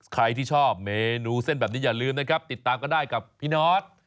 ใครที่ชอบเมนูเส้นแบบนี้อย่าลืมนะครับติดตามก็ได้กับพี่นอท